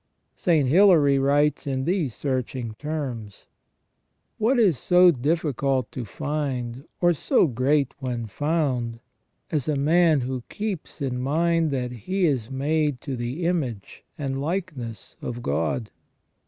St. Hilary writes in these searching terms :" What is so difficult to find, or so great when found, as a man who keeps in mind that he is made to the image and likeness of God